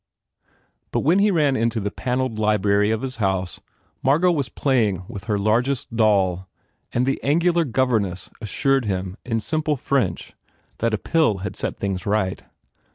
But .when he ran into the panelled library of his house Margot was playing with her largest doll and the angular governess assured him, in simple French, that a pill had set things right.